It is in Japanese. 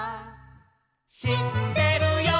「しってるよ」